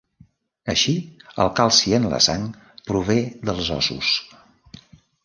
Així, el calci en la sang prové dels ossos.